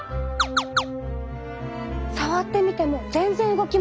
触ってみても全然動きません。